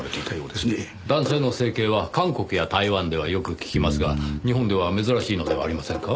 男性の整形は韓国や台湾ではよく聞きますが日本では珍しいのではありませんか？